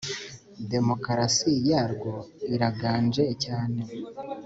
Demokarasi yarwo iraganje cyane